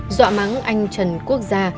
dọa mắng anh trần quốc gia